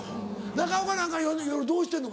中岡なんか夜どうしてんの？